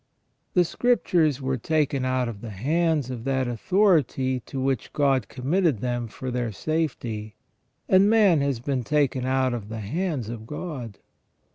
The Scriptures were taken out of the hands of that authority to which God committed them for their safety, and man has been taken out of the hands of God.